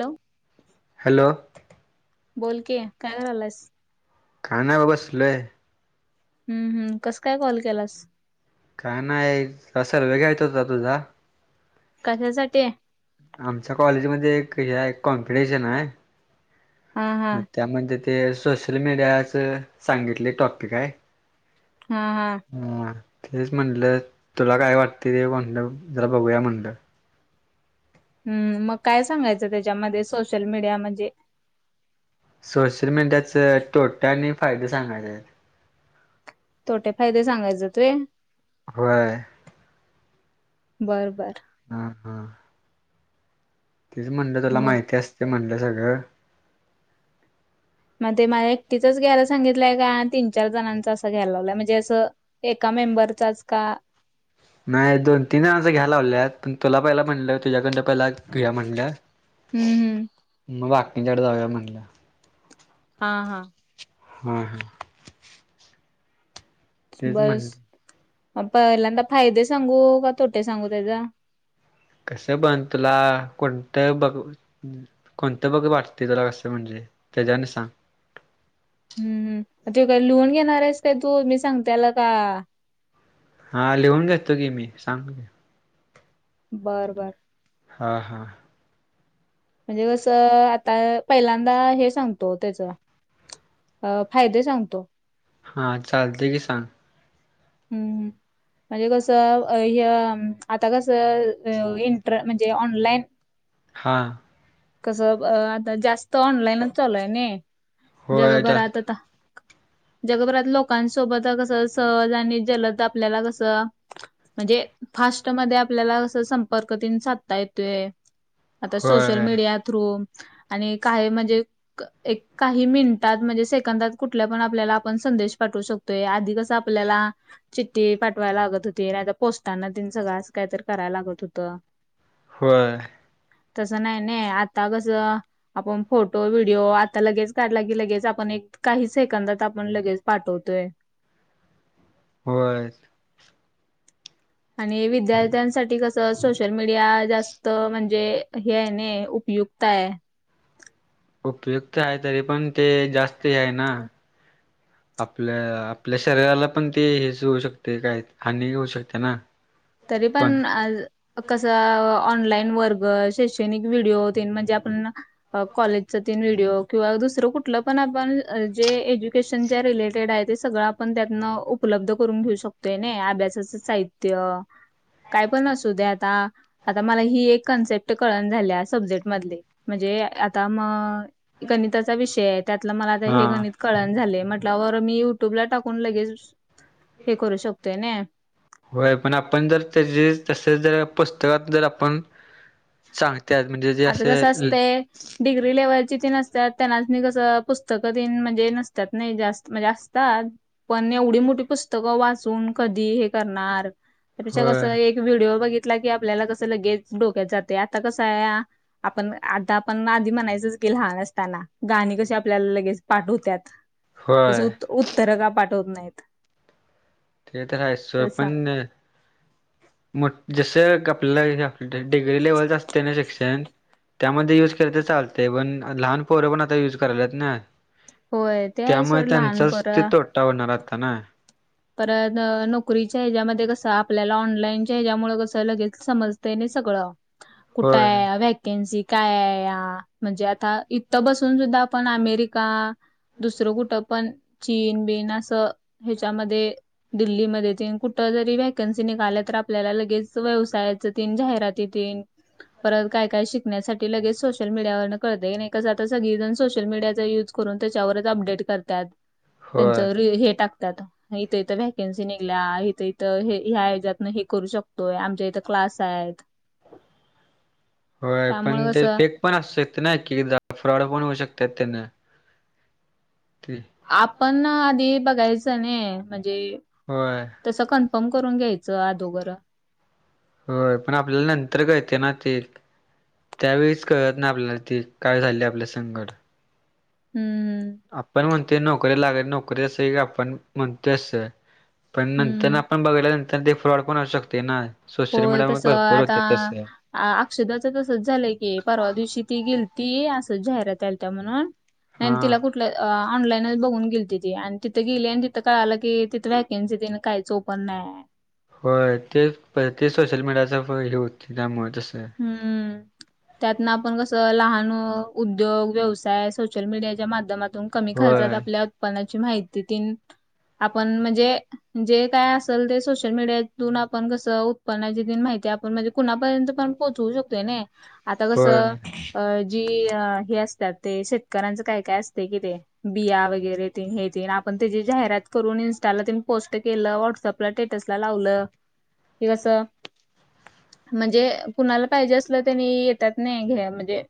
Hello! Hello! बोल की, काय करालायस? काय नाव बसलोय. हम्.. हम्.. कसं काय कॉल केलास? काय नाही, सर्वे घ्यायचा होता तुझा कशासाठी? आमच्या कॉलेजमध्ये एक हे आहे, कॉम्पिटिशन आहे. हा.. मग हा.. त्यामध्ये ते सोशल मीडियाच सांगितलय टॉपिक हा.. हा.. ह्.. तेच म्हणलं तुला काय वाटतय म्हणलं, जरा बघूया म्हणलं. हम्म.. मग काय सांगायचं त्याच्यामध्ये सोशल मीडिया मध्ये सोशल मीडियाच तोटे आणि फायदे सांगायचंय. तोटे -फायदे सांगायच तोय. होय. बरं बर. हा हा. तेच म्हणलं तुला मग माहिती असते म्हणलं सगळं. मग ते मला एकटीचच घ्यायला सांगितलंय का तीन चार जणांच असं घ्यायला लावलंय म्हणजे असं. एका मेम्बरचाच का. नाही दोन तीन जनाच घ्यायला लावल्यात आहेत पण पहिला तुझ्याकडं पहिला घेऊया म्हटलं. ह. हं हं. मग बाकींच्या कडे जाऊया म्हटलं हा हा. हा हं. तेच बस म्हणलं पहिल्यांदा फायदे सांगू का तोटे सांगू त्याच? कस पण तुला कोणतं बघ कोणत बघ वाटते असं म्हणजे त्याच्याने सांग. हम्म ते काय लिहून घेणार आहेस काय तू मी सांगतेल का हा लिहून घेतो की मी सांग. बर बर. हा हा. म्हणजे कसं आता पहिल्यांदा हे सांगतो त्याच अ फायदे सांगतो. हां चालते की सांग. हम्. म्हणजे कसं आता कसं इंटर म्हणजे ऑनलाईन हां. कसं आता जास्त ऑनलाईनच चालू आहे न होय जास्त जगभरात आता. जगभरात लोकांसोबत कसं सहज आणि जलद आपल्याला कसं. म्हणजे फास्ट मध्ये आपल्याला असं संपर्क तेन साधता येतोय. आता सोशल होय मीडिया थ्रू आणि काय म्हणजे. एक काही मिनिटात म्हणजे सेकंदात कुठल्या पण आपल्याला आपण संदेश पाठवू शकतो. य आधी कसं आपल्याला. चिठ्ठी पाठवायला लागत होती नाहीतर पोस्टांन तेन सगळं असं काहीतर करायला लागत होतं. होय. तसं नाही नाही आता कस आपण फोटो व्हिडीओ आता लगेच काढला की लगेच एक काही सेकंदात आपण लगेच पाठवतोय. होय. आणि विद्यार्थ्यांसाठी कसं सोशल मीडिया जास्त म्हणजे हे आहे नाय उपयुक्त ताय. उपयुक्त आहे तरी पण ते जास्त हे आहे ना. आपल्या आपल्या शरीराला पण ते हेच होऊ शकते काय हानी होऊ शकते ना. तरी कोण पण आज कसं ऑनलाईन वर्ग शैक्षणिक व्हिडिओ तेन म्हणजे आपण कॉलेजचा तेन व्हिडिओ किंवा दुसरं कुठलं पण आपण जे एज्यु ेशन च्या रिलेटेड आहे ते सगळं आपण त्यातनं उपलब्ध करून घेऊ शकतोय ना अभ्यासाचं साहित्य. काय पण असू द्या आता. आता मला ही एक कन्सेप्ट कळण झाल्या. सब्जेक्ट मधली म्हणजे आता म. गणिताचा विषय आहे, त्यातलं मला आता हे हा गणित. कळणा झालंय म्हटल्यावर, मी युट्यूबला टाकून लगेच हे करू शकतोय नी. होय पण आपण जर त्या तसंच, जर पुस्तकात जर आपण. चांगत्यात म्हणजे जे आता कसं असं. असतंय डिग्री लेव्हलची ती नसतात, त्यांना सनी कसं मी पुस्तकं तेन म्हणजे नसतात नी जास्त म्हणजे असतात. पण एवढी मोठी पुस्तकं वाचून कधी हे करणार. तेच्या वर होय कसं एक व्हिडिओ बघितला की, आपल्याला कसं लगेच डोक्यात जाते. आता कसं आया. आपण आता आपण आधी म्हणायचंच की, लहान असताना गाणी कसं लगेच पाठ होत्यात. होय कसं उत्तर का पाठवत नाहीत. ते तर आहे सोड, तसा पण मग जस कपल्याल हाय काय. डिग्री लेवलच असते ना शिक्षण, त्यामध्ये युज केले तर चालते पण लहान. पोर पण आता युज करायला ना, होय ते आहे त्यामुळे सोड लहान त्यांचच ते पोरं तोट. तोटा होणार आता ना. परत नोकरीच्या हेज्यामध्ये कसं आप आपल्याला ऑनलाईन हेच्यामुळे कसं लगेच, समजतंय नी सगळ होय कुठंय. वॅकेन्सी काय म्हणजे, आता इथं बसून सुद्धा आपण अमेरिका. दुसरं कुठं पण चीन बिन असं हेच्यामध्ये. दिल्लीमध्ये तेन कुठं जरी व्हॅकन्सी निघाल्या तर, आपल्याला लगेच व्यवसायाच्या तेन जाहिराती तेन. परत काय काय शिकण्यासाठी लगेच सोशल मीडियावर कळतंय नी, आता कसं सगळी जण सोशल मीडिया युज. करून त्यांच्यावरच अपडेट करत्यात, होय त्यांचावर हे टाकतात. इथं इथं व्हॅकन्सी निघल्या, इथं इथं ह्या हेच्यातन हे करू शकतोय. आमच्या इथं क्लास आहेत. [inaudible] होय पण त्यामुळे ते कसं फेक पण असू शकते ना की, फ्रॉड पण होऊ शकते तेन. [unintelligible] आपण आधी बघायचं नी म्हणजे. होय. तसं कन्फर्म करून घ्यायचं अदोगर. होय पण आपल्याला नंतर कळते ना ते. त्यावेळीस कळत नाही आपल्याला ते, काय झालं आपल्याला संगट. हम्म हम्म. आपण म्हणतो नोकरी लागत असे, नोकरीं असं एक आपण म्हणतो असं. पण नंतर हम्म आपण बघाल्या नंतर ते, फ्रॉड पण असू शकते ना. सोशल होय मीडियावर तसं भरपूर आता. होते तसं अ अक्षदाचं तसंच झालंय की, परवा दिवशी ती गेलती असं जाहिराती आलत्या म्हणून. हा आणि तिला कुट. ऑनलाईनच बघून गेलती ती. आणि तिथं गेली आणि तिथं कळालं की, तिथं व्हॅकन्सी तेन कराच ओप पण नाय. होय तेच ते सोशल मीडियाचा हे, होतंय त्यामुळे तसं. त्यातन आपण कसं, लहान उद्योग व्यवसाय सोशल मीडियाच्या माध्यमात. कमी खर्चात होय आपल्या उत्पनाची माहिती तेनं, आपण म्हणजे जे काय असं. तर ते सोशल मीडियातून आपण कसं उत्पन्नाची, तीन माहिती आहे आपण म्हणजे कुणापर्यंत पण. पोहचू शकतोय नी, आता होय कसं. जी हे असत्यात ते शेतकऱ्यांचं, काय काय असत की ते. बिया वगैरे ते हे आपण त्यांची जाहिरात करून, इन्स्टाला ते पोस्ट केलं व्हॉट्सअप. टेटसला लावलं की कस म्हणजे. कुणाला पाहिजे असलं त्यानी येतात नाही घ्या म्हणजे.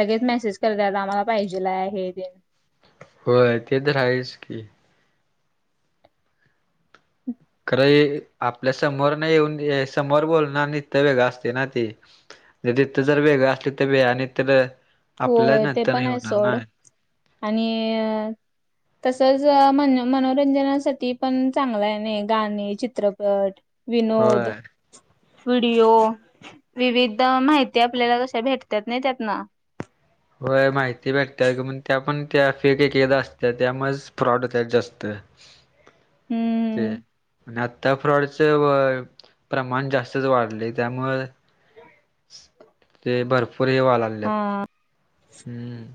लगेच मेसेज करत्यात आम्हाला पाहिजेल आहे हे ते. होय ते तर र आहेच की. [inaudible] खरं आपल्या समोर न येऊन समोर बोल न नित्य वेगळ असते नाते. तीथ जर वेगं असली तर वेग आणि तर. आपल्याला होय ते नंतर पण नाही आहे होणार सोड ना आणि. तसच मन मनोरंजनासाठी पण चांगल आहे नाही गाणे चित्रपट. विनोद. होय व्हिडिओ विविध माहिती आपल्याला कशा भेटतात नाही त्यातन. होय माहिती भेटतया म्हणून त्यापण. त्या फेक एक असत्यात त्यामुळे फ्रॉड होत्यात जास्त. [unintelligible] हम्म त्या फ्रॉडचं व प्रमाण जास्तच वाढल त्यामुळं. [inaudible] ते भरपूर हे वाहलय. हा. हम्म.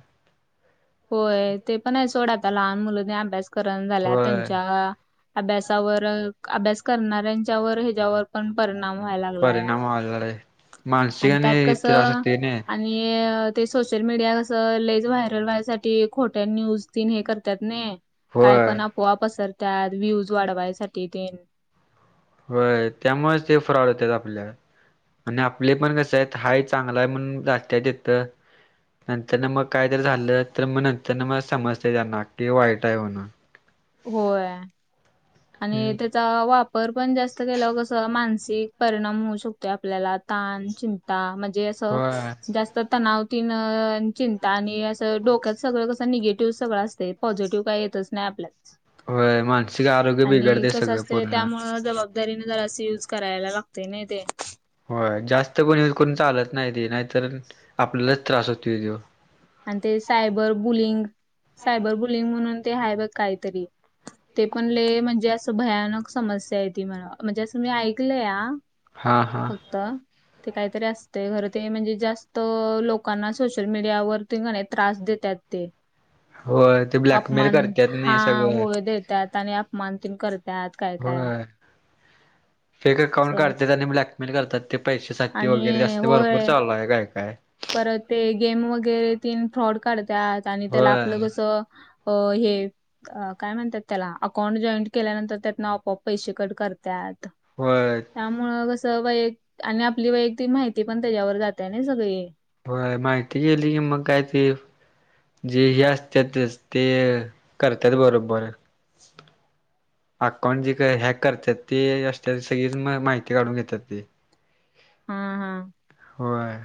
होय ते पण आहे सोड आता लहान मुलंनी अभ्यास करण झाल्या होय त्यांच्या. अभ्यासावर अभ्यास करणाऱ्यांच्यावर ह्याच्यावर पण परिणाम व्हाय लागला या. अवघड आहे मानसि आणि त्यात असं कसं तेनी. आणि ते सोशल मीडिया कंस लयच व्हायरल व्हायसाठी खोट्या न्यूज तीन हे करतात नी. काय होय पण अफ़वा पसरवतात व्ह्यूज वाढवायसाठी ते. होय त्यामुळेच ते फ्रॉड होत्यात ते आपल्या. आणि आपले पण कसे आहेत हाय चांगला आहे म्हणून जात्यात तिथं. नंतर ना मग काय जरी झालं तर मग नंतर ना मग समजत त्यांना की वाईट आहे म्हणून. [inaudible] होय आणि हम्म ते. चा वापर पण जास्त केलावर कस मानसिक परिणाम होऊ शकतो आपल्याला ताण चिं. ता म्हणजे असं होय जास्त तणाव. तीन चिंता आणि असं डोक्यात सगळं कसं निगेटिव्ह सगळं असते पॉझिटिव्ह काही येतच नाही आपल्यात. होय मानसिक आरोग्य आणि बिघडते कस सगळं असतय पूर्ण. त्यामुळ ज. बाबदरीन जरा अस युज करायला लागते नाही ते. हो जास्त पण यूज करून चालत नाही ते नाहीतर आपल्यालाच त्रास होतोय तोय. आणि ते सायबर बुलिंग सायबर बुलिंग म्हणून ते आहे बघ काहीतरी. ते पण ले म्हणजे अस भयानक. समस्या आहे ती म्हणा म्हणजे मी ऐकलंय हा. हां हां. त काहीतरी असतेय घर ते म्हणजे जास्त लोकांना सोशल मीडियावर. ते का नाही त्रास देत्यात ते. होय ते ब्लॅकमेल अपमान करत्यात हा नाही सगळं होय देतात आणि अपमान तिन करतात काय काय. होय. फेक अकाउंट असं काढत्यात आणि ब्लॅक. मेल करतात ते पैसेे साठी वगैरे आणि जास्त भरपूर होय चालला आहे काय काय. परत ते गेम वगैरे ती फ्रॉड काढतात आणि त्याला आपलं होय कसं. हो हे. अ काय म्हणतात त्याला? अकाउंट जॉईंट केल्यानंतर, त्यातन आपोआप पैसे कट करतात. होय. त्यामुळं कसं, वैय आणि आपली वैयक्तिक माहिती पण त्याच्यावर जातय ना सगळी. होय माहिती गेली की मग काय ती. जे हे असत्यात ते करत्यात बरोबर. अकाउंट जे काही हॅक करतात ते, असते सगळीच माहिती काढून घेतात ते. [inaudible] हम्म हम्म. होय?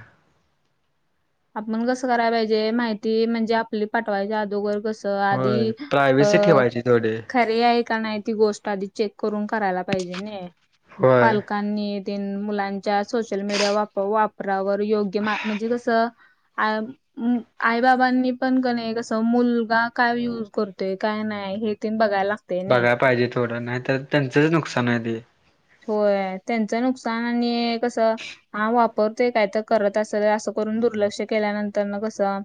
आपण कसं करायला पाहिजे माहिती म्हणजे आपली पाठवायची अदोगर कसं. तर होय आधी अ प्रायव्हेसी ठेवायची थोडी खरी आहे का नाही ती गोष्ट आधी चेक करून करायला पाहिजे नि होय पालकांनी. ते मुलांच्या सोशल मीडिया वापरा वापरावर योग्य म्हणजे कसं. आ [unintelligible] आई बाबांनी पण कणी कस मुलगा काय यूज करतोय, काय नाही हे ते बघायला लागत बघायला पाहिजे थोडं, नाही तर त्यांचंच नुकसान आहे ते. होय त्यांचं नुकसान आणि कसं. हा वापरतोय काय तर करत असेल, असं करून दुर्लक्ष केल्यानंतर न कसं.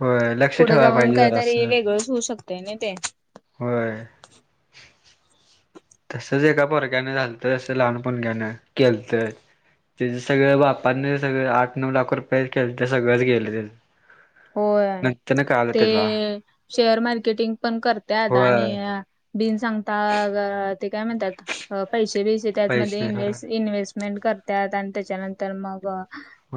होय लक्ष पुढे ठेवायला जाऊन पाहिजे जरा काहीतरी असं वेगळंच होऊ शकतंय ना ते. होय. तसच एका पोरग्यान झालतं, तसं लहान पोरगंन केलंत. त्याच सगळं बापांनी सगळ आठ-नऊ लाख रुपये केलत, सगळंच गेल त्याच. होय नंतर न कळालं ते त्याला शेअर मार्केटिंग पण करत्यात, होय आणि. बिन सांगता ते काय म्हणतात? पैसे बिसे त्याचमध्ये पैसे होय इन्व्हेस्ट इन्व्हेस्ट. मेंट करतात आणि त्याच्यानंतर मग.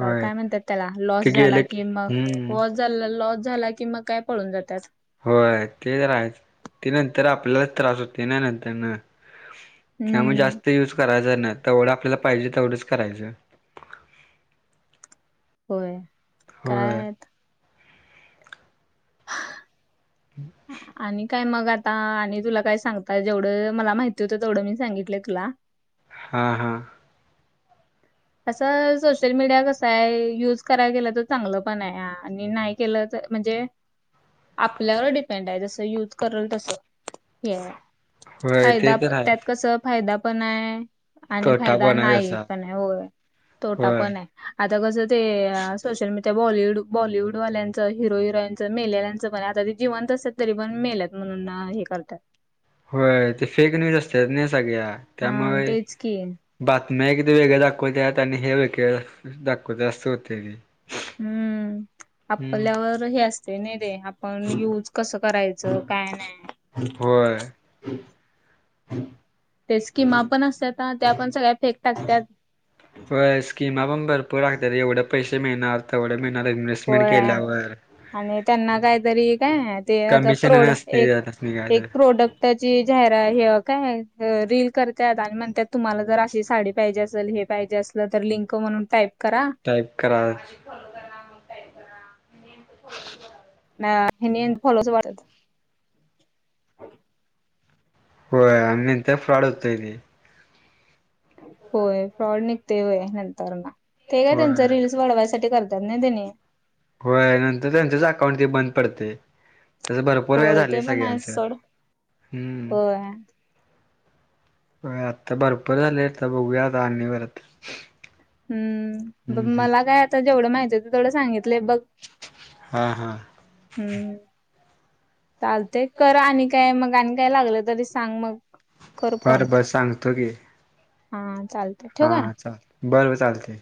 अ काय म्हणतात त्याला? लॉस ते झाला गेले की कि मग. हम्म लॉस झाला लॉस झाला कि मग काय पळून जातात. होय ते तर हायच, ते नंतर आपल्यालाच त्रास होतो नंतर न. त्यामुळे हम्म जास्त युज करायचा नाही, तेवढं आपल्याला पाहिजे तेवढंच करायचं. होय, काय होय आहे आता. ह [inaudible] आणि काय मग आता तुला काय सांगता जेवढं, माहिती होतं तेवढं मी सांगितलंय तुला. हा हा. असं सोशल मीडिया कस आहे, युज करायला गेला तर चांगलं पण आहे आणि. केलं तर, म्हणजे. आपल्यावर डिपेंड आहे, जसं युज करल तस हे हाय. होय ते फायदा, तर त्यात आहे कस. फायदा पण आहे, आणि खोटा फायदा पणा नाही जसा पण, आहे हो तोटा होय पण आहे. आता कसं ते सोशल मीडिया बॉलवूड बॉलिवूड वाल्यांचं, हिरो हिरोईनचं मेलेल्यांचं म्हणे आता. जिवंत असत तरी पण मेलत म्हणून हे करतात. होय ते फेक न्यूज असतात ना, सगळ्या हा त्यामुळे. तेच की बातम्या एकदा वेगळ्या दाखवत, आणि हे वेगळे दाखवते ते आस होतय. हम्म आपल्यावर हे असत. ते नाही दे, आपण युज कसं करायचं काय नाही. होय ते स्कीमा पण असत त्या पण सगळ्या फेक टाकतात. हो स्कीमा पण भरपूर रागतात एवढे पैसे मिळणार तेवढे मिळणार इन्व्हेस्टमेंट होय केल्यावर. आणि त्यांना काहीतरी काय ते आता कमिशन आणि प्रोड असतंय त्यासनी काय एक तर प्रोडक्ट. त्याची जाहिर हे काय रील करतात आणि म्हणतात. तुम्हाला जर अशी साडी पाहिजे असेल हे पाहिजे असलं तर लिंक म्हणून टाईप करा. टाईप करा. [unintelligible] होय आणि नंतर फ्रॉड होतये. होय फ्रॉड निघते. होय नंतर ना ते काय त्यांच होय रिल्स वाढवायसाठी करतात ना त्याने. होय नंतर त्यांचच अकाउंट ते बंद पडतय. असौ भरपूर वेळा होय झालंय ते पण आहे सगळ्यांच सोड हम्म. होय आता भरपर झालेता बघूया आता आणी वरती. हम्म ब मला काय आता जेवढं माहिती होत तेवढं सांगितलंय बघ. हां हां. हम्म. चालते करा आणि काय? मग आणि काय? लागलं तरी सांग मग. कर फोन बरं बरं सांगतो की. हा चाल- हा चाल बरं चालते.